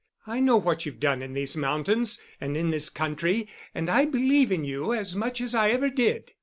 I know what you've done in these mountains and in this country, and I believe in you as much as I ever did.